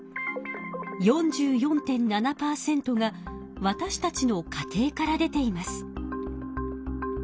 ４４．７％がわたしたちの家庭から出ています。